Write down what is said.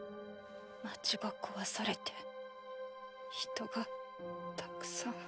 街が壊されて人がたくさん。